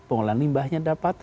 pengolahan limbahnya dapat